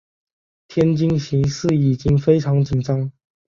天津形势已经非常紧张。